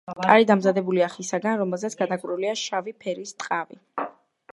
ტარი დამზადებულია ხისაგან, რომელზეც გადაკრულია შავი ფერის ტყავი.